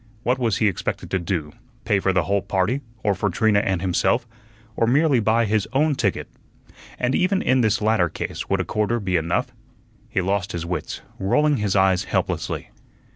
What was he expected to do pay for the whole party, or for Trina and himself, or merely buy his own ticket? And even in this latter case would a quarter be enough? He lost his wits, rolling his eyes helplessly.